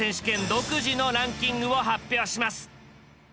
独自のランキングを発表します。